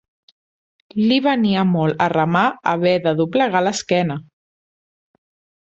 Li venia molt a remà haver de doblegar l'esquena.